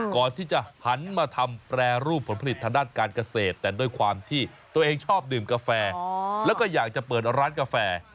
ก่อนที่จะหันมาทำแปรรูปผลผลิตทางด้านการเกษตรแต่ด้วยความที่ตัวเองชอบดื่มกาแฟแล้วก็อยากจะเปิดร้านกาแฟ